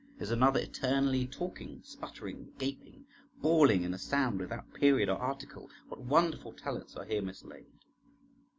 Is another eternally talking, sputtering, gaping, bawling, in a sound without period or article? What wonderful talents are here mislaid!